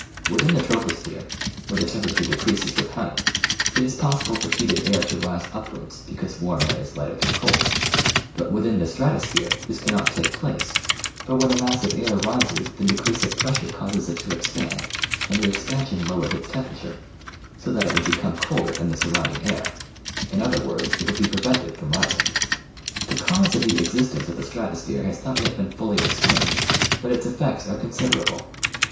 Within the troposphere, where the temperature decreases with height, it is possible for heated air to rise upwards, because warm air is lighter than cold; but within the stratosphere this cannot take place, for when a mass of air rises the decrease of pressure causes it to expand, and the expansion lowers its tem perature, so that it would become colder than the surrounding air; in other words, it would be prevented from rising. The cause of the existence of the stratosphere has not yet been fully explained, but its effects are considerable.